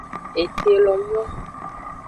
Ete lo nyo.